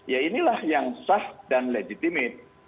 ya inilah yang sah dan legitimit